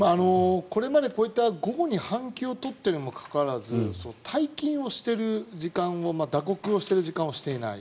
これまで、こういった午後に半休を取っているにもかかわらず退勤をしている時間を打刻をしている時間をしていない。